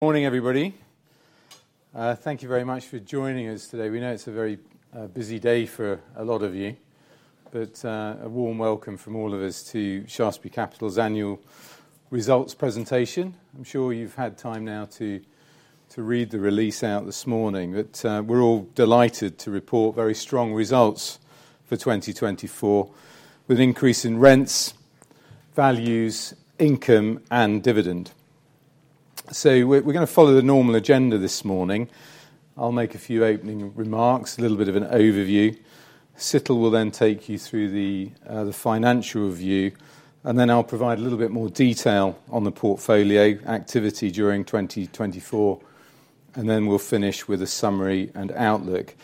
Morning, everybody. Thank you very much for joining us today. We know it's a very busy day for a lot of you, but a warm welcome from all of us to Shaftesbury Capital's Annual Results Presentation. I'm sure you've had time now to read the release out this morning, but we're all delighted to report very strong results for 2024, with an increase in rents, values, income, and dividend. So we're going to follow the normal agenda this morning. I'll make a few opening remarks, a little bit of an overview. Situl will then take you through the financial review, and then I'll provide a little bit more detail on the portfolio activity during 2024, and then we'll finish with a summary and outlook.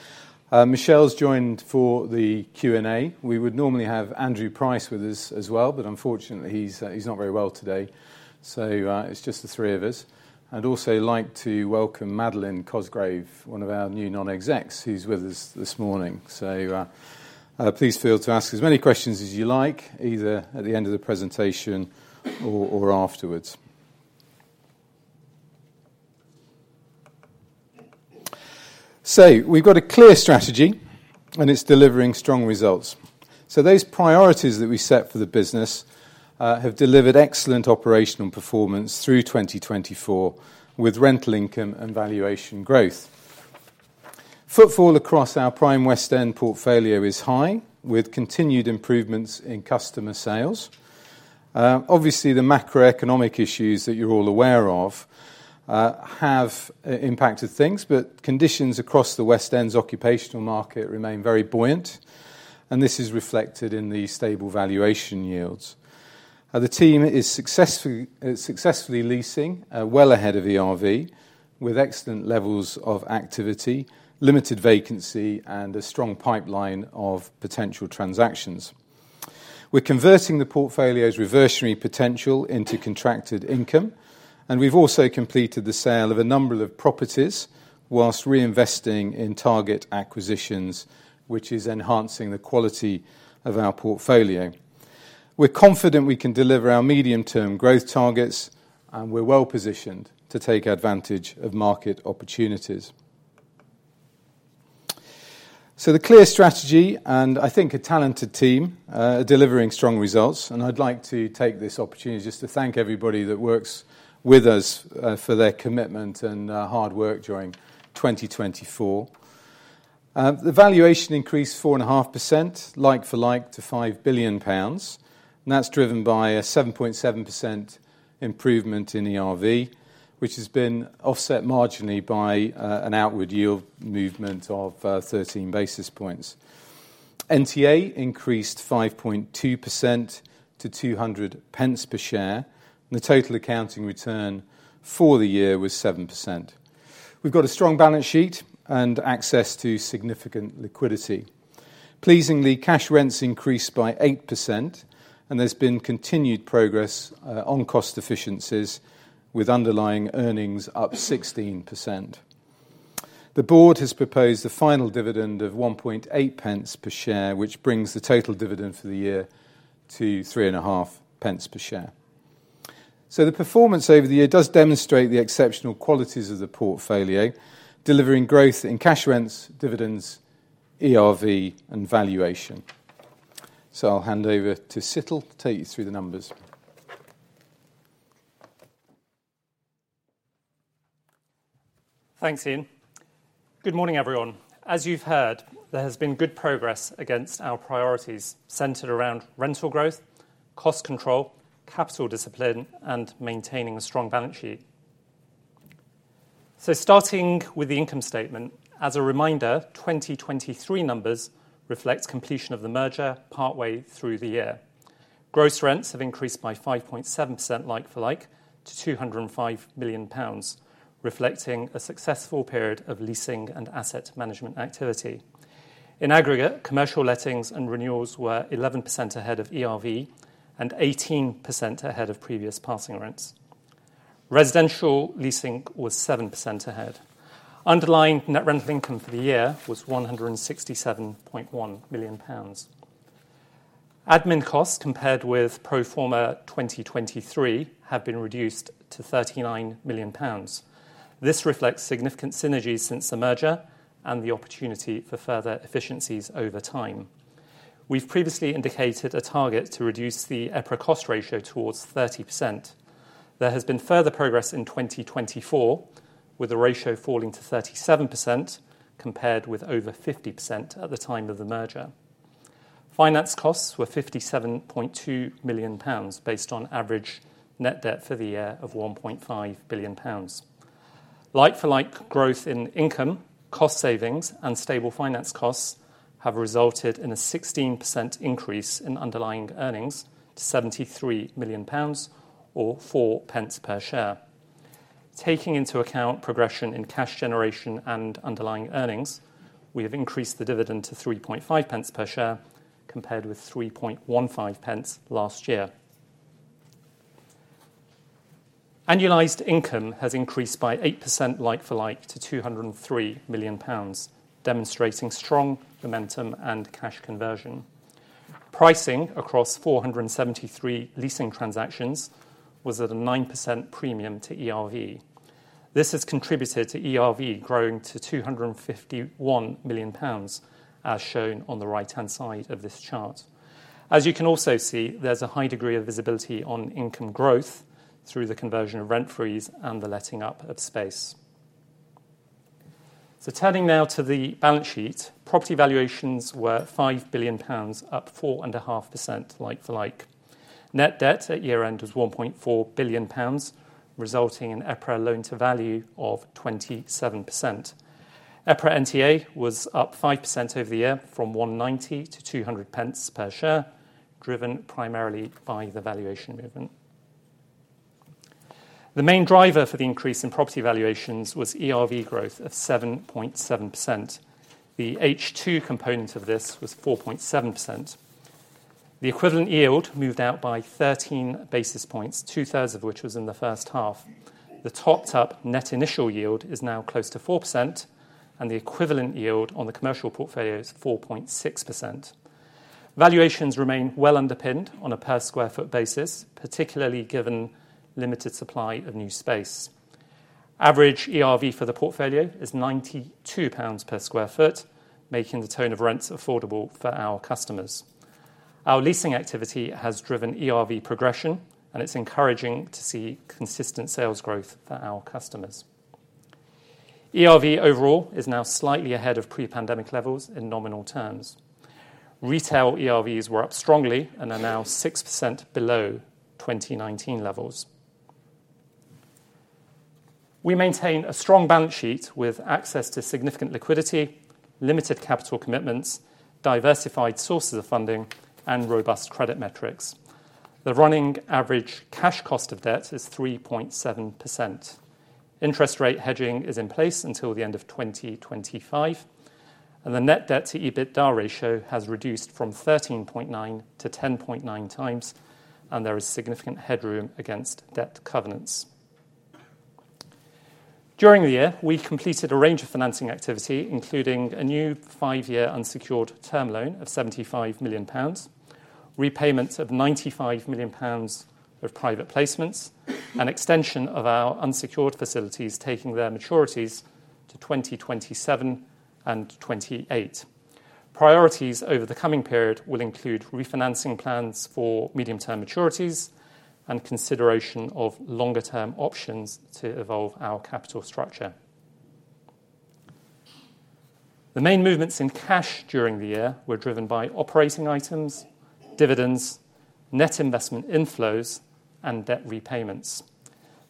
Michelle's joined for the Q&A. We would normally have Andrew Price with us as well, but unfortunately, he's not very well today, so it's just the three of us. I'd also like to welcome Madeleine Cosgrave, one of our new non-execs who's with us this morning. So please feel free to ask as many questions as you like, either at the end of the presentation or afterwards. So we've got a clear strategy, and it's delivering strong results. So those priorities that we set for the business have delivered excellent operational performance through 2024, with rental income and valuation growth. Footfall across our prime West End portfolio is high, with continued improvements in customer sales. Obviously, the macroeconomic issues that you're all aware of have impacted things, but conditions across the West End's occupational market remain very buoyant, and this is reflected in the stable valuation yields. The team is successfully leasing, well ahead of ERV, with excellent levels of activity, limited vacancy, and a strong pipeline of potential transactions. We're converting the portfolio's reversionary potential into contracted income, and we've also completed the sale of a number of properties whilst reinvesting in target acquisitions, which is enhancing the quality of our portfolio. We're confident we can deliver our medium-term growth targets, and we're well positioned to take advantage of market opportunities. So the clear strategy, and I think a talented team, are delivering strong results, and I'd like to take this opportunity just to thank everybody that works with us for their commitment and hard work during 2024. The valuation increased 4.5%, like-for-like, to 5 billion pounds, and that's driven by a 7.7% improvement in ERV, which has been offset marginally by an outward yield movement of 13 basis points. NTA increased 5.2% to 2 per share, and the total accounting return for the year was 7%. We've got a strong balance sheet and access to significant liquidity. Pleasingly, cash rents increased by 8%, and there's been continued progress on cost efficiencies, with underlying earnings up 16%. The board has proposed a final dividend of 0.018 per share, which brings the total dividend for the year to 0.035 per share, so the performance over the year does demonstrate the exceptional qualities of the portfolio, delivering growth in cash rents, dividends, ERV, and valuation, so I'll hand over to Situl to take you through the numbers. Thanks, Ian. Good morning, everyone. As you've heard, there has been good progress against our priorities centered around rental growth, cost control, capital discipline, and maintaining a strong balance sheet. So starting with the income statement, as a reminder, 2023 numbers reflect completion of the merger partway through the year. Gross rents have increased by 5.7% like-for-like to 205 million pounds, reflecting a successful period of leasing and asset management activity. In aggregate, commercial lettings and renewals were 11% ahead of ERV and 18% ahead of previous passing rents. Residential leasing was 7% ahead. Underlying net rental income for the year was 167.1 million pounds. Admin costs compared with pro forma 2023 have been reduced to 39 million pounds. This reflects significant synergies since the merger and the opportunity for further efficiencies over time. We've previously indicated a target to reduce the EPRA cost ratio towards 30%. There has been further progress in 2024, with the ratio falling to 37% compared with over 50% at the time of the merger. Finance costs were 57.2 million pounds based on average net debt for the year of 1.5 billion pounds. Like for like growth in income, cost savings, and stable finance costs have resulted in a 16% increase in underlying earnings to GBP 73 million or 0.04 per share. Taking into account progression in cash generation and underlying earnings, we have increased the dividend to 0.035 per share compared with 0.0315 pence last year. Annualized income has increased by 8% like-for-like to 203 million pounds, demonstrating strong momentum and cash conversion. Pricing across 473 leasing transactions was at a 9% premium to ERV. This has contributed to ERV growing to 251 million pounds, as shown on the right-hand side of this chart. As you can also see, there's a high degree of visibility on income growth through the conversion of rent freeze and the letting up of space. So turning now to the balance sheet, property valuations were GBP 5 billion, up 4.5% like-for-like. Net debt at year-end was £1.4 billion, resulting in EPRA loan-to-value of 27%. EPRA NTA was up 5% over the year from 1.9 to 2 per share, driven primarily by the valuation movement. The main driver for the increase in property valuations was ERV growth of 7.7%. The H2 component of this was 4.7%. The equivalent yield moved out by 13 basis points, 2/3 of which was in the first half. The topped-up net initial yield is now close to 4%, and the equivalent yield on the commercial portfolio is 4.6%. Valuations remain well underpinned on a per square foot basis, particularly given limited supply of new space. Average ERV for the portfolio is 92 pounds per sq ft, making the tone of rents affordable for our customers. Our leasing activity has driven ERV progression, and it's encouraging to see consistent sales growth for our customers. ERV overall is now slightly ahead of pre-pandemic levels in nominal terms. Retail ERVs were up strongly and are now 6% below 2019 levels. We maintain a strong balance sheet with access to significant liquidity, limited capital commitments, diversified sources of funding, and robust credit metrics. The running average cash cost of debt is 3.7%. Interest rate hedging is in place until the end of 2025, and the net debt-to-EBITDA ratio has reduced from 13.9x to 10.9x, and there is significant headroom against debt covenants. During the year, we completed a range of financing activity, including a new five-year unsecured term loan of 75 million pounds, repayment of 95 million pounds of private placements, and extension of our unsecured facilities taking their maturities to 2027 and 2028. Priorities over the coming period will include refinancing plans for medium-term maturities and consideration of longer-term options to evolve our capital structure. The main movements in cash during the year were driven by operating items, dividends, net investment inflows, and debt repayments.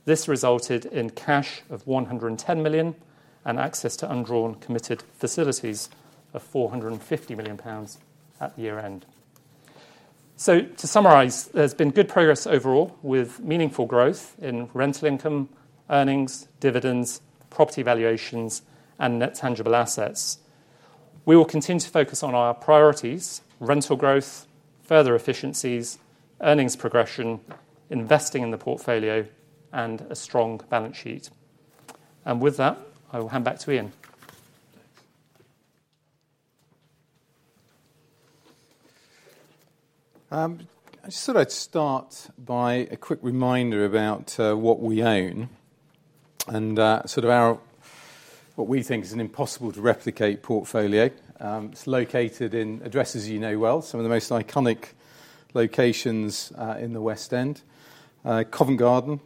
This resulted in cash of 110 million and access to undrawn committed facilities of 450 million pounds at year-end. So to summarise, there's been good progress overall with meaningful growth in rental income, earnings, dividends, property valuations, and net tangible assets. We will continue to focus on our priorities: rental growth, further efficiencies, earnings progression, investing in the portfolio, and a strong balance sheet. With that, I will hand back to Ian. I just thought I'd start by a quick reminder about what we own and sort of what we think is an impossible-to-replicate portfolio. It's located in addresses you know well, some of the most iconic locations in the West End: Covent Garden,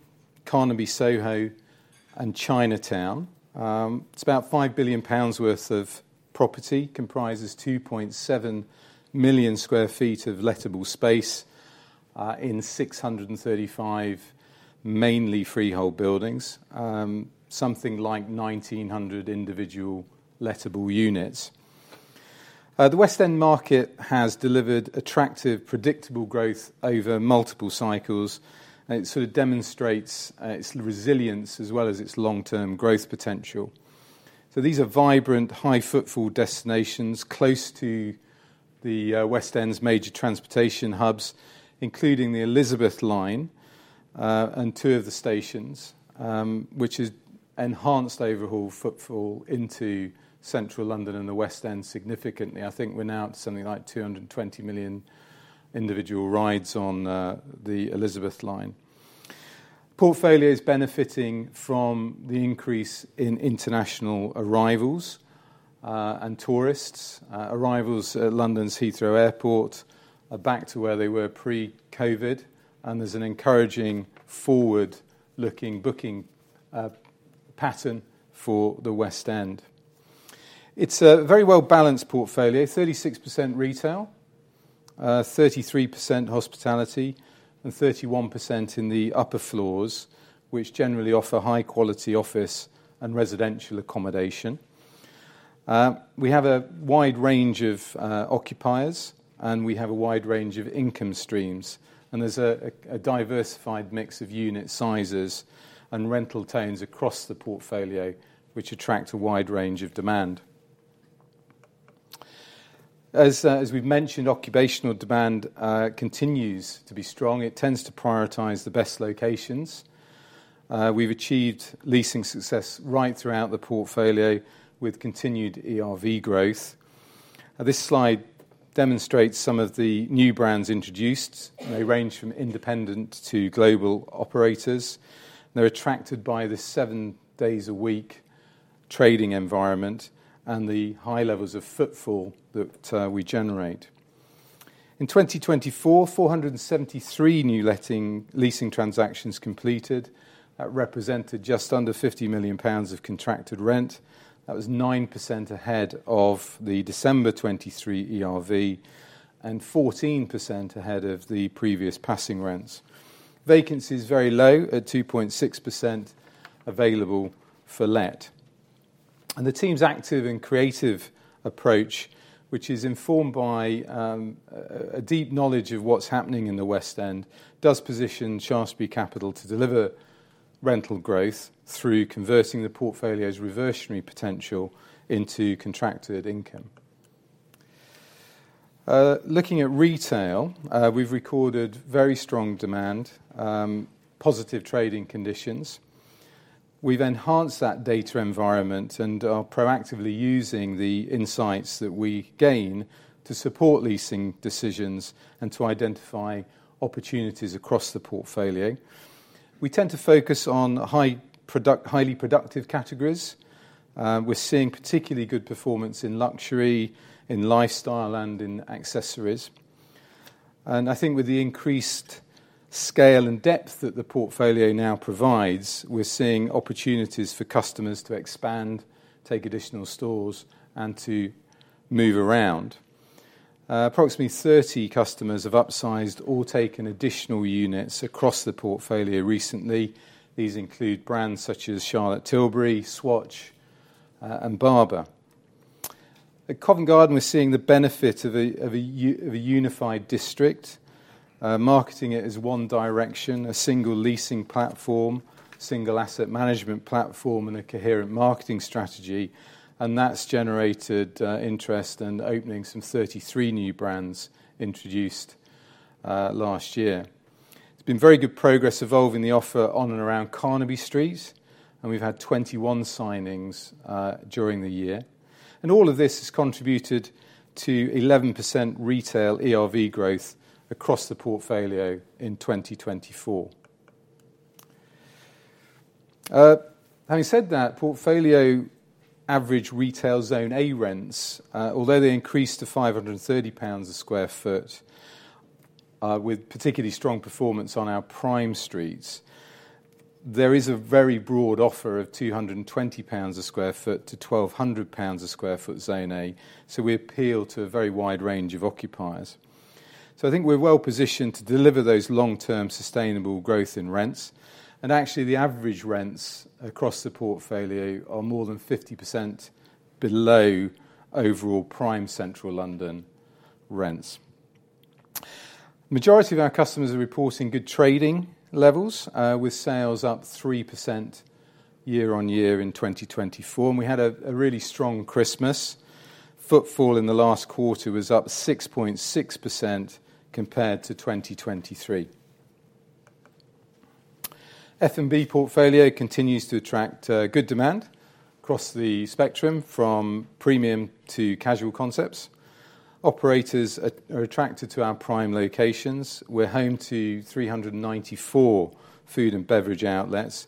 Carnaby Soho, and Chinatown. It's about 5 billion pounds worth of property, comprises 2.7 million sq ft of lettable space in 635 mainly freehold buildings, something like 1,900 individual lettable units. The West End market has delivered attractive, predictable growth over multiple cycles, and it sort of demonstrates its resilience as well as its long-term growth potential. So these are vibrant, high-footfall destinations close to the West End's major transportation hubs, including the Elizabeth Line and two of the stations, which has enhanced overall footfall into central London and the West End significantly. I think we're now at something like 220 million individual rides on the Elizabeth Line. Portfolio is benefiting from the increase in international arrivals and tourists. Arrivals at London's Heathrow Airport are back to where they were pre-COVID, and there's an encouraging forward-looking booking pattern for the West End. It's a very well-balanced portfolio: 36% retail, 33% hospitality, and 31% in the upper floors, which generally offer high-quality office and residential accommodation. We have a wide range of occupiers, and we have a wide range of income streams, and there's a diversified mix of unit sizes and rental zones across the portfolio, which attract a wide range of demand. As we've mentioned, occupational demand continues to be strong. It tends to prioritise the best locations. We've achieved leasing success right throughout the portfolio with continued ERV growth. This slide demonstrates some of the new brands introduced. They range from independent to global operators. They're attracted by the seven days a week trading environment and the high levels of footfall that we generate. In 2024, 473 new leasing transactions completed. That represented just under 50 million pounds of contracted rent. That was 9% ahead of the December 2023 ERV and 14% ahead of the previous passing rents. Vacancies very low at 2.6% available for let. And the team's active and creative approach, which is informed by a deep knowledge of what's happening in the West End, does position Shaftesbury Capital to deliver rental growth through converting the portfolio's reversionary potential into contracted income. Looking at retail, we've recorded very strong demand, positive trading conditions. We've enhanced that data environment and are proactively using the insights that we gain to support leasing decisions and to identify opportunities across the portfolio. We tend to focus on highly productive categories. We're seeing particularly good performance in luxury, in lifestyle, and in accessories. And I think with the increased scale and depth that the portfolio now provides, we're seeing opportunities for customers to expand, take additional stores, and to move around. Approximately 30 customers have upsized or taken additional units across the portfolio recently. These include brands such as Charlotte Tilbury, Swatch, and Barbour. At Covent Garden, we're seeing the benefit of a unified district, marketing it as one direction, a single leasing platform, single asset management platform, and a coherent marketing strategy, and that's generated interest and openings from 33 new brands introduced last year. There's been very good progress evolving the offer on and around Carnaby Street, and we've had 21 signings during the year. And all of this has contributed to 11% retail ERV growth across the portfolio in 2024. Having said that, portfolio average retail Zone A rents, although they increased to 530 pounds sq ft with particularly strong performance on our prime streets, there is a very broad offer of 220 pounds sq ft-GBP 1,200 sq ft Zone A, so we appeal to a very wide range of occupiers, so I think we're well positioned to deliver those long-term sustainable growth in rents, and actually the average rents across the portfolio are more than 50% below overall prime Central London rents. The majority of our customers are reporting good trading levels, with sales up 3% year-on-year in 2024, and we had a really strong Christmas. Footfall in the last quarter was up 6.6% compared to 2023. F&B portfolio continues to attract good demand across the spectrum from premium to casual concepts. Operators are attracted to our prime locations. We're home to 394 food and beverage outlets,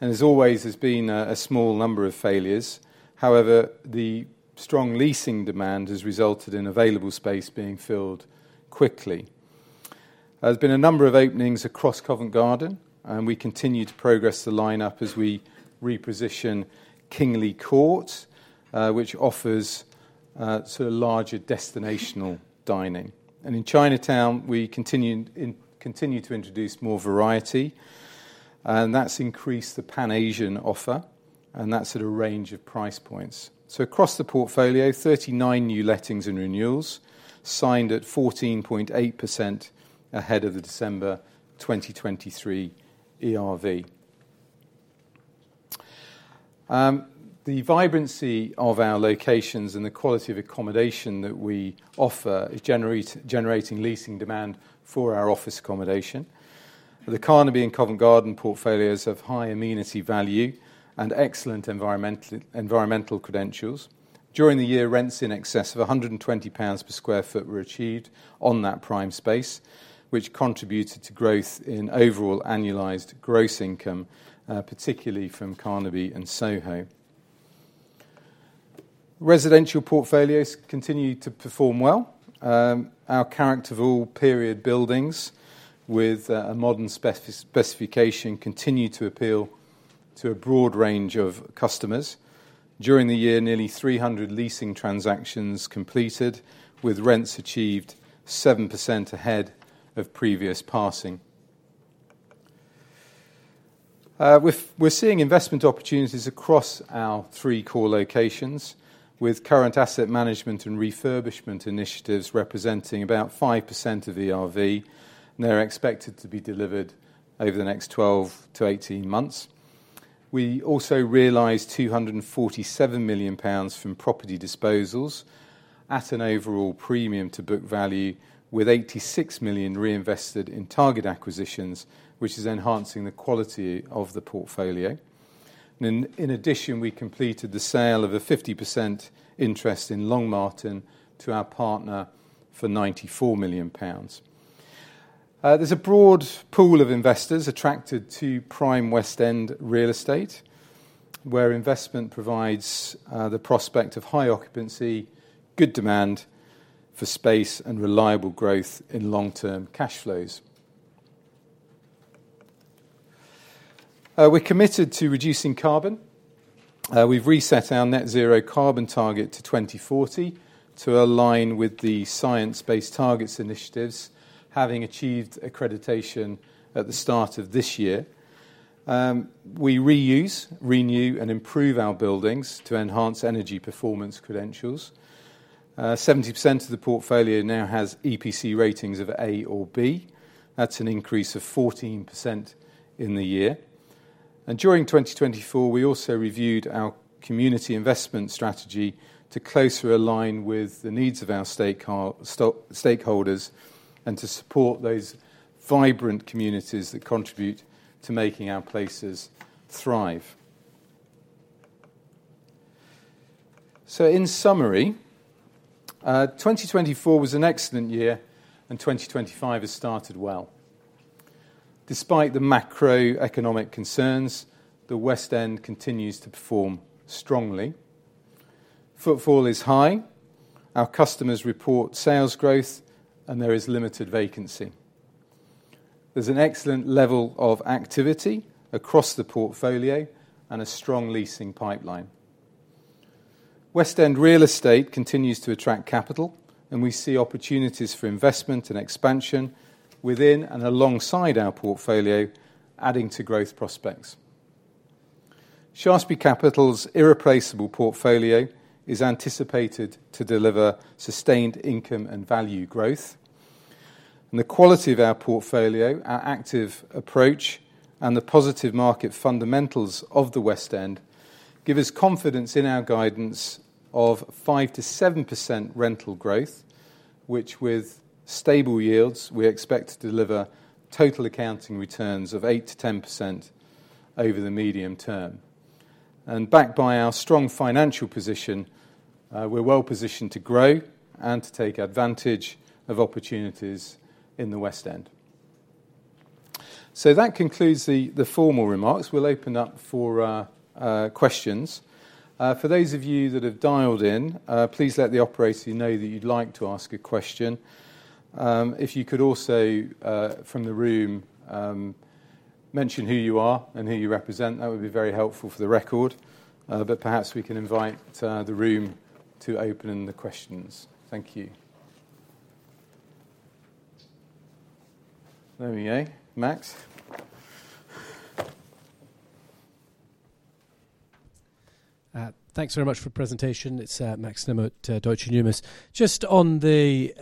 and as always, there's been a small number of failures. However, the strong leasing demand has resulted in available space being filled quickly. There's been a number of openings across Covent Garden, and we continue to progress the lineup as we reposition Kingly Court, which offers sort of larger destinational dining, and in Chinatown, we continue to introduce more variety, and that's increased the Pan-Asian offer, and that's at a range of price points, so across the portfolio, 39 new lettings and renewals signed at 14.8% ahead of the December 2023 ERV. The vibrancy of our locations and the quality of accommodation that we offer is generating leasing demand for our office accommodation. The Carnaby and Covent Garden portfolios have high amenity value and excellent environmental credentials. During the year, rents in excess of 120 pounds per sq ft were achieved on that prime space, which contributed to growth in overall annualized gross income, particularly from Carnaby and Soho. Residential portfolios continue to perform well. Our character of all period buildings with a modern specification continue to appeal to a broad range of customers. During the year, nearly 300 leasing transactions completed, with rents achieved 7% ahead of previous passing. We're seeing investment opportunities across our three core locations, with current asset management and refurbishment initiatives representing about 5% of ERV, and they're expected to be delivered over the next 12-18 months. We also realized 247 million pounds from property disposals at an overall premium to book value, with 86 million reinvested in target acquisitions, which is enhancing the quality of the portfolio. In addition, we completed the sale of a 50% interest in Longmartin to our partner for 94 million pounds. There's a broad pool of investors attracted to prime West End real estate, where investment provides the prospect of high occupancy, good demand for space, and reliable growth in long-term cash flows. We're committed to reducing carbon. We've reset our net zero carbon target to 2040 to align with the Science Based Targets initiative, having achieved accreditation at the start of this year. We reuse, renew, and improve our buildings to enhance energy performance credentials. 70% of the portfolio now has EPC ratings of A or B. That's an increase of 14% in the year. And during 2024, we also reviewed our community investment strategy to closer align with the needs of our stakeholders and to support those vibrant communities that contribute to making our places thrive. In summary, 2024 was an excellent year, and 2025 has started well. Despite the macroeconomic concerns, the West End continues to perform strongly. Footfall is high. Our customers report sales growth, and there is limited vacancy. There's an excellent level of activity across the portfolio and a strong leasing pipeline. West End real estate continues to attract capital, and we see opportunities for investment and expansion within and alongside our portfolio, adding to growth prospects. Shaftesbury Capital's irreplaceable portfolio is anticipated to deliver sustained income and value growth. The quality of our portfolio, our active approach, and the positive market fundamentals of the West End give us confidence in our guidance of 5%-7% rental growth, which, with stable yields, we expect to deliver total accounting returns of 8%-10% over the medium term. And backed by our strong financial position, we're well positioned to grow and to take advantage of opportunities in the West End. So that concludes the formal remarks. We'll open up for questions. For those of you that have dialed in, please let the operators know that you'd like to ask a question. If you could also, from the room, mention who you are and who you represent, that would be very helpful for the record, but perhaps we can invite the room to open the questions. Thank you. There we go. Max. Thanks very much for the presentation. It's Max Nimmo, Deutsche Numis. Just on the,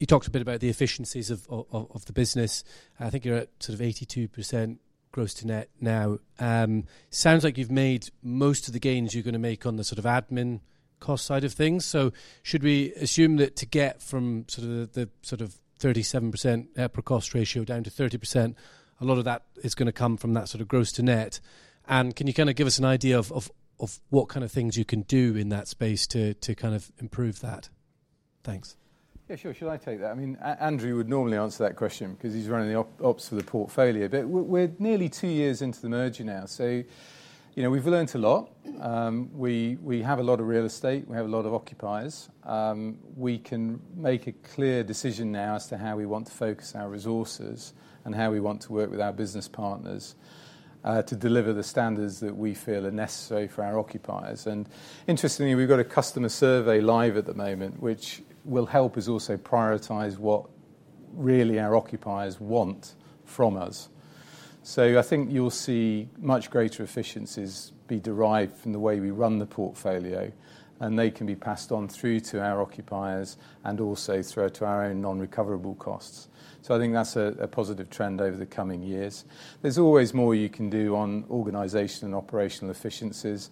you talked a bit about the efficiencies of the business. I think you're at sort of 82% gross to net now. Sounds like you've made most of the gains you're going to make on the sort of admin cost side of things. So should we assume that to get from sort of the 37% EPRA cost ratio down to 30%, a lot of that is going to come from that sort of gross to net? And can you kind of give us an idea of what kind of things you can do in that space to kind of improve that? Thanks. Yeah, sure. Should I take that? I mean, Andrew would normally answer that question because he's running the ops for the portfolio, but we're nearly two years into the merger now, so we've learned a lot. We have a lot of real estate. We have a lot of occupiers. We can make a clear decision now as to how we want to focus our resources and how we want to work with our business partners to deliver the standards that we feel are necessary for our occupiers. Interestingly, we've got a customer survey live at the moment, which will help us also prioritize what really our occupiers want from us. So I think you'll see much greater efficiencies be derived from the way we run the portfolio, and they can be passed on through to our occupiers and also through to our own non-recoverable costs. So I think that's a positive trend over the coming years. There's always more you can do on organization and operational efficiencies.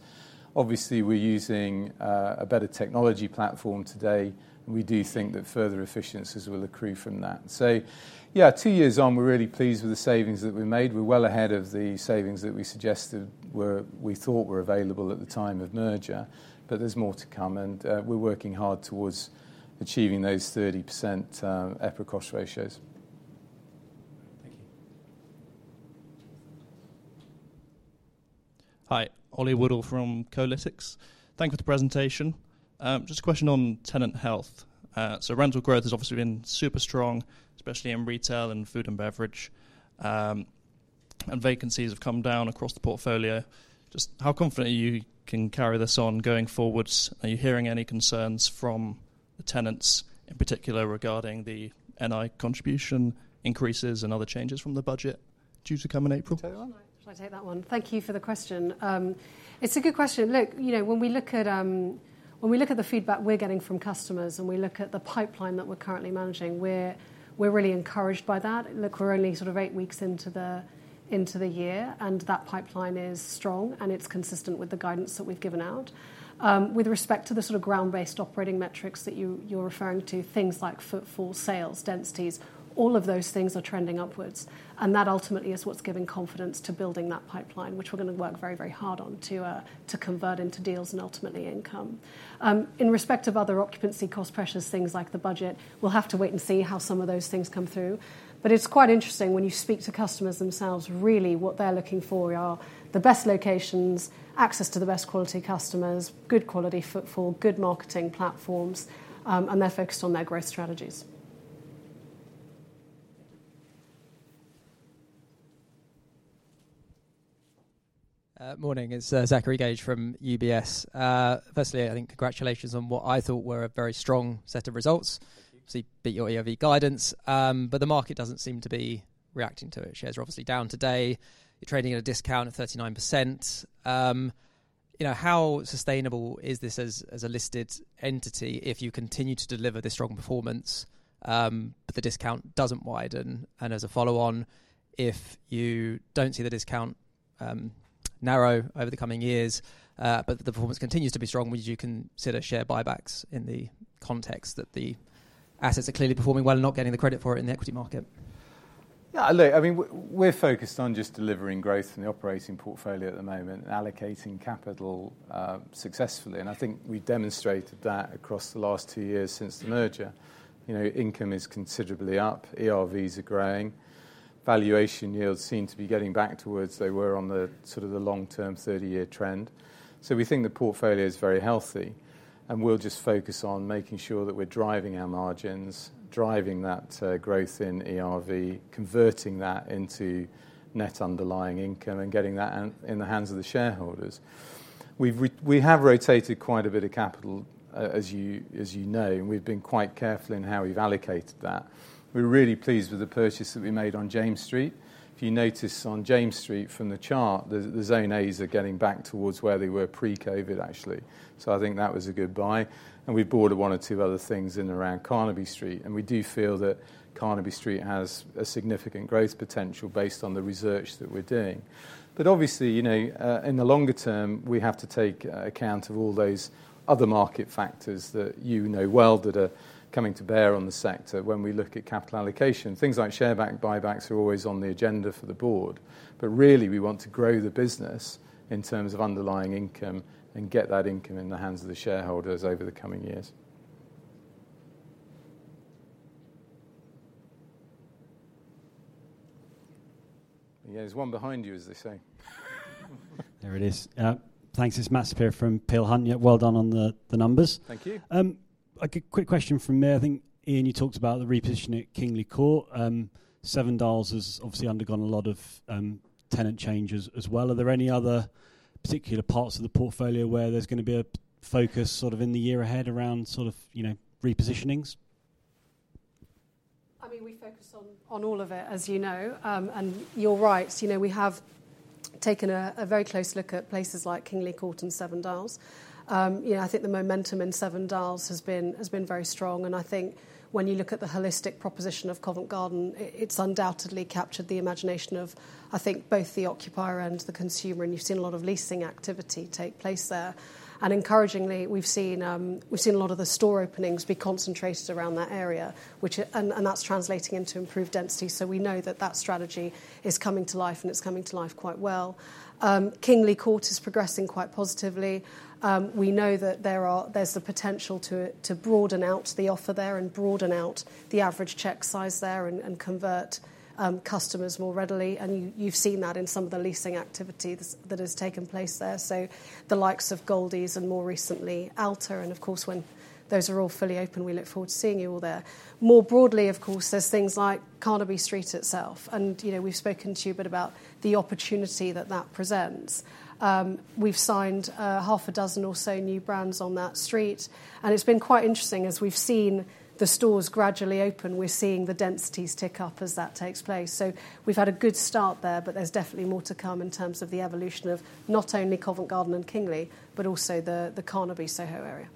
Obviously, we're using a better technology platform today, and we do think that further efficiencies will accrue from that. So yeah, two years on, we're really pleased with the savings that we made. We're well ahead of the savings that we suggested we thought were available at the time of merger, but there's more to come, and we're working hard towards achieving those 30% EPRA cost ratios. Thank you. Hi. Oli Woodall from Kolytics. Thank you for the presentation. Just a question on tenant health. So rental growth has obviously been super strong, especially in retail and food and beverage, and vacancies have come down across the portfolio. Just how confident are you can carry this on going forwards? Are you hearing any concerns from the tenants, in particular regarding the NI contribution increases and other changes from the budget due to come in April? Should I take that one? Thank you for the question. It's a good question. Look, when we look at the feedback we're getting from customers and we look at the pipeline that we're currently managing, we're really encouraged by that. Look, we're only sort of eight weeks into the year, and that pipeline is strong, and it's consistent with the guidance that we've given out. With respect to the sort of ground-based operating metrics that you're referring to, things like footfall, sales, densities, all of those things are trending upwards, and that ultimately is what's giving confidence to building that pipeline, which we're going to work very, very hard on to convert into deals and ultimately income. In respect of other occupancy cost pressures, things like the budget, we'll have to wait and see how some of those things come through, but it's quite interesting when you speak to customers themselves, really what they're looking for are the best locations, access to the best quality customers, good quality footfall, good marketing platforms, and they're focused on their growth strategies. Morning. It's Zachary Gauge from UBS. First, I think congratulations on what I thought were a very strong set of results. Obviously, beat your ERV guidance, but the market doesn't seem to be reacting to it. Shares are obviously down today. You're trading at a discount of 39%. How sustainable is this as a listed entity if you continue to deliver this strong performance, but the discount doesn't widen? And as a follow-on, if you don't see the discount narrow over the coming years, but the performance continues to be strong, would you consider share buybacks in the context that the assets are clearly performing well and not getting the credit for it in the equity market? Yeah, look, I mean, we're focused on just delivering growth in the operating portfolio at the moment and allocating capital successfully, and I think we've demonstrated that across the last two years since the merger. Income is considerably up. ERVs are growing. Valuation yields seem to be getting back towards they were on the sort of the long-term 30-year trend. So we think the portfolio is very healthy, and we'll just focus on making sure that we're driving our margins, driving that growth in ERV, converting that into net underlying income and getting that in the hands of the shareholders. We have rotated quite a bit of capital, as you know, and we've been quite careful in how we've allocated that. We're really pleased with the purchase that we made on James Street. If you notice on James Street from the chart, the Zone A's are getting back towards where they were pre-COVID, actually. So I think that was a good buy, and we bought one or two other things in around Carnaby Street, and we do feel that Carnaby Street has a significant growth potential based on the research that we're doing. But obviously, in the longer term, we have to take account of all those other market factors that you know well that are coming to bear on the sector. When we look at capital allocation, things like share buybacks are always on the agenda for the board, but really we want to grow the business in terms of underlying income and get that income in the hands of the shareholders over the coming years. There's one behind you, as they say. There it is. Thanks. It's Matt Saperia from Peel Hunt. Well done on the numbers. Thank you. A quick question from me. I think, Ian, you talked about the repositioning at Kingly Court. Seven Dials has obviously undergone a lot of tenant changes as well. Are there any other particular parts of the portfolio where there's going to be a focus sort of in the year ahead around sort of repositionings? I mean, we focus on all of it, as you know, and you're right. We have taken a very close look at places like Kingly Court and Seven Dials. I think the momentum in Seven Dials has been very strong, and I think when you look at the holistic proposition of Covent Garden, it's undoubtedly captured the imagination of, I think, both the occupier and the consumer, and you've seen a lot of leasing activity take place there, and encouragingly, we've seen a lot of the store openings be concentrated around that area, and that's translating into improved density, so we know that that strategy is coming to life, and it's coming to life quite well. Kingly Court is progressing quite positively. We know that there's the potential to broaden out the offer there and broaden out the average check size there and convert customers more readily, and you've seen that in some of the leasing activity that has taken place there. So the likes of Goldies and more recently ALTA, and of course, when those are all fully open, we look forward to seeing you all there. More broadly, of course, there's things like Carnaby Street itself, and we've spoken to you a bit about the opportunity that that presents. We've signed half a dozen or so new brands on that street, and it's been quite interesting as we've seen the stores gradually open. We're seeing the densities tick up as that takes place. So we've had a good start there, but there's definitely more to come in terms of the evolution of not only Covent Garden and Kingly, but also the Carnaby Soho area.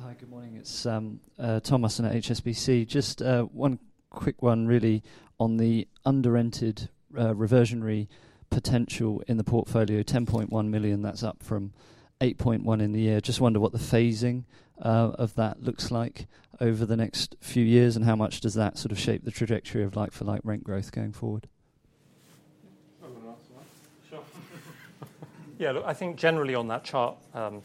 Hi, good morning. It's Thomas at HSBC. Just one quick one, really, on the under-rented reversionary potential in the portfolio, 10.1 million. That's up from 8.1 million in the year. Just wonder what the phasing of that looks like over the next few years and how much does that sort of shape the trajectory of like-for-like rent growth going forward? Sure. Yeah, look, I think generally on that chart,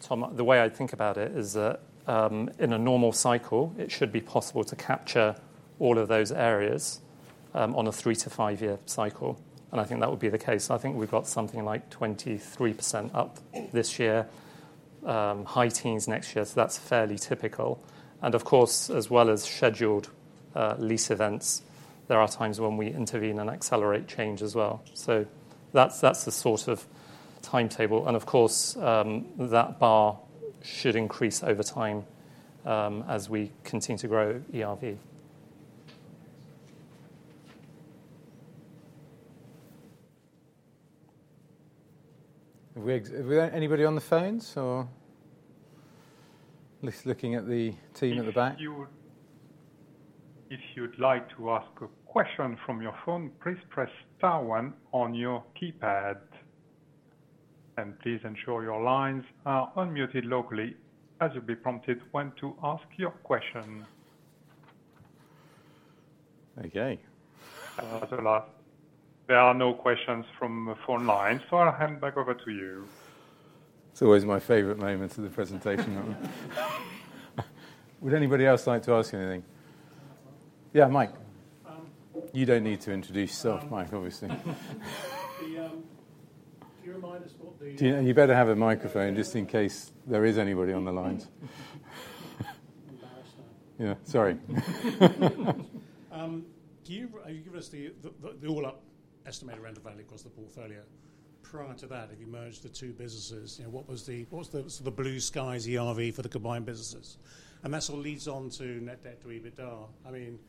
Tom, the way I think about it is that in a normal cycle, it should be possible to capture all of those areas on a 3-5 year cycle, and I think that would be the case. I think we've got something like 23% up this year, high teens next year, so that's fairly typical. And of course, as well as scheduled lease events, there are times when we intervene and accelerate change as well. So that's the sort of timetable, and of course, that bar should increase over time as we continue to grow ERV. Have we got anybody on the phones or just looking at the team at the back? If you'd like to ask a question from your phone, please press star one on your keypad, and please ensure your lines are unmuted locally as you'll be prompted when to ask your question. Okay. There are no questions from the phone line, so I'll hand back over to you. It's always my favorite moment of the presentation. Would anybody else like to ask anything? Yeah, Mike. You don't need to introduce yourself, Mike, obviously. Do you mind us not being? You better have a microphone just in case there is anybody on the lines. Yeah, sorry. Have you given us the all-up estimated rental value across the portfolio? Prior to that, have you merged the two businesses? What was the sort of blue skies ERV for the combined businesses? And that sort of leads on to net debt to EBITDA. I mean,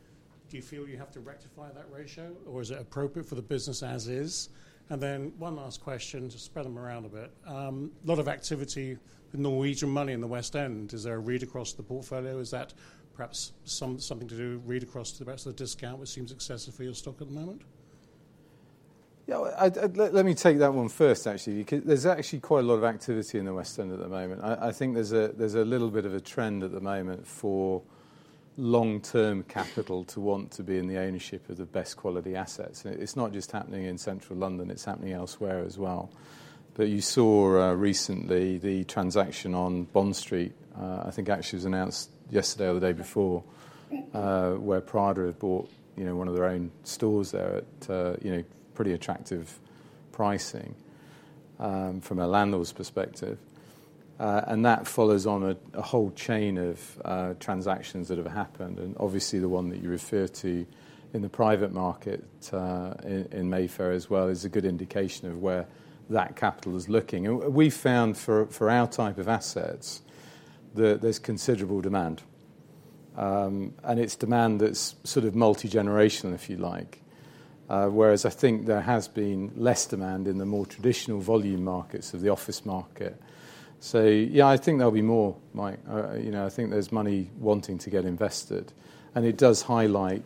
do you feel you have to rectify that ratio, or is it appropriate for the business as is? And then one last question to spread them around a bit. A lot of activity with Norwegian money in the West End. Is there a read across the portfolio? Is that perhaps something to do with read across the rest of the discount which seems excessive for your stock at the moment? Yeah, let me take that one first, actually, because there's actually quite a lot of activity in the West End at the moment. I think there's a little bit of a trend at the moment for long-term capital to want to be in the ownership of the best quality assets. And it's not just happening in central London. It's happening elsewhere as well. But you saw recently the transaction on Bond Street, I think actually was announced yesterday or the day before, where Prada have bought one of their own stores there at pretty attractive pricing from a landlord's perspective. And that follows on a whole chain of transactions that have happened. And obviously, the one that you refer to in the private market in Mayfair as well is a good indication of where that capital is looking. We've found for our type of assets that there's considerable demand, and it's demand that's sort of multi-generational, if you like, whereas I think there has been less demand in the more traditional volume markets of the office market. So yeah, I think there'll be more, Mike. I think there's money wanting to get invested, and it does highlight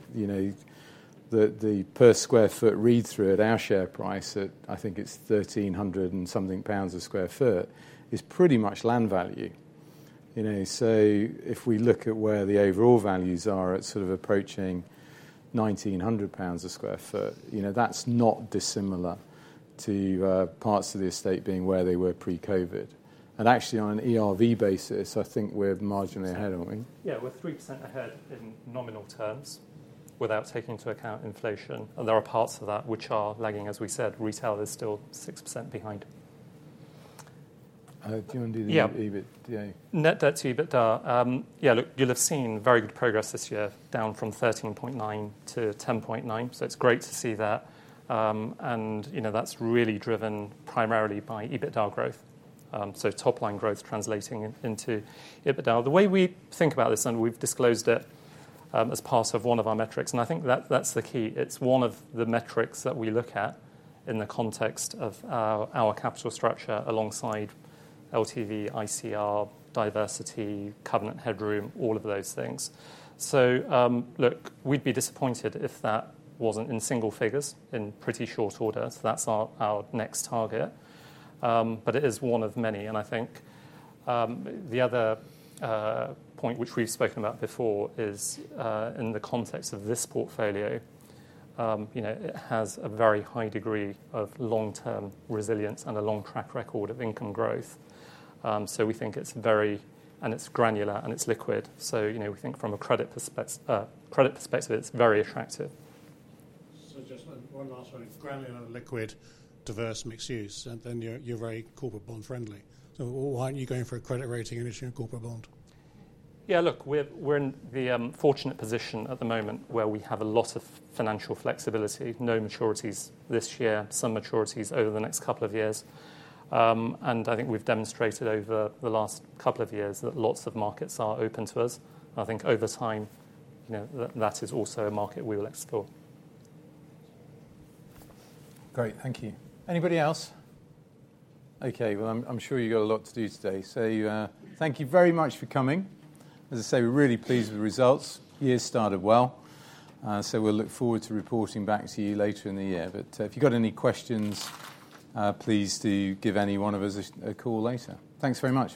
that the per square foot read through at our share price, I think it's 1,300 and something square foot, is pretty much land value. So if we look at where the overall values are at sort of approaching 1,900 pounds sq ft, that's not dissimilar to parts of the estate being where they were pre-COVID. And actually, on an ERV basis, I think we're marginally ahead, aren't we? Yeah, we're 3% ahead in nominal terms without taking into account inflation, and there are parts of that which are lagging, as we said. Retail is still 6% behind. Do you want to do the EBITDA? Net debt-to-EBITDA. Yeah, look, you'll have seen very good progress this year down from 13.9 to 10.9, so it's great to see that, and that's really driven primarily by EBITDA growth. So top-line growth translating into EBITDA. The way we think about this, and we've disclosed it as part of one of our metrics, and I think that's the key. It's one of the metrics that we look at in the context of our capital structure alongside LTV, ICR, diversity, covenant headroom, all of those things. So look, we'd be disappointed if that wasn't in single figures in pretty short order, so that's our next target, but it is one of many, and I think the other point which we've spoken about before is in the context of this portfolio, it has a very high degree of long-term resilience and a long track record of income growth. So we think it's very, and it's granular, and it's liquid. So we think from a credit perspective, it's very attractive. So just one last one. It's granular, liquid, diverse, mixed use, and then you're very corporate bond friendly. So why aren't you going for a credit rating initial corporate bond? Yeah, look, we're in the fortunate position at the moment where we have a lot of financial flexibility, no maturities this year, some maturities over the next couple of years, and I think we've demonstrated over the last couple of years that lots of markets are open to us. I think over time, that is also a market we will explore. Great, thank you. Anybody else? Okay, well, I'm sure you've got a lot to do today. So thank you very much for coming. As I say, we're really pleased with the results. Year started well, so we'll look forward to reporting back to you later in the year, but if you've got any questions, please do give any one of us a call later. Thanks very much.